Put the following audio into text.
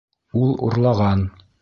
Ул урлаған!